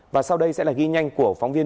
và sau đây sẽ là ghi nhanh của phóng viên